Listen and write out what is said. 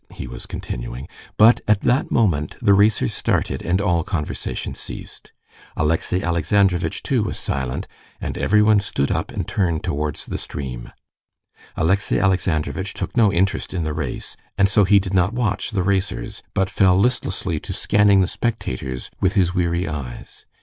he was continuing. But at that moment the racers started, and all conversation ceased. Alexey Alexandrovitch too was silent, and everyone stood up and turned towards the stream. Alexey Alexandrovitch took no interest in the race, and so he did not watch the racers, but fell listlessly to scanning the spectators with his weary eyes.